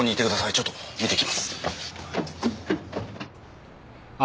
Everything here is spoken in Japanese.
ちょっと見てきます。